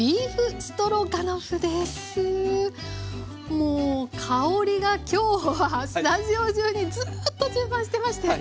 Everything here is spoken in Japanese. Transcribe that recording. もう香りが今日はスタジオ中にずっと充満してまして。